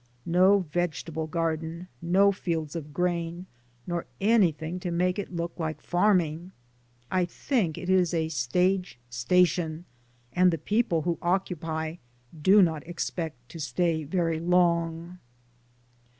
No vegetable garden, no fields of grain, nor any thing to make it look like farming. I think it is a stage station, and the people who oc cupy do not expect to stay very long.